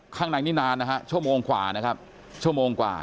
ข้างในนี่นานชั่วโมงกว่านะครับ